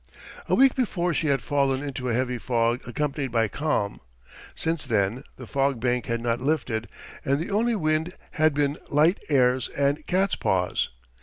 A week before she had fallen into a heavy fog accompanied by calm. Since then the fog bank had not lifted, and the only wind had been light airs and catspaws.